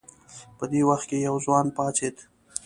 په دې وخت کې یو ځوان پاڅېد.